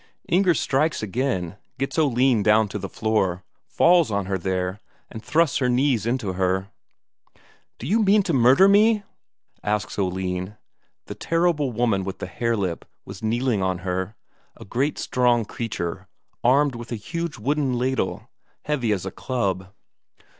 Inger strikes again, gets Oline down to the floor, falls on her there, and thrusts her knees into her. "D'you mean to murder me?" asks Oline. The terrible woman with the hare lip was kneeling on her, a great strong creature armed with a huge wooden ladle, heavy as a club.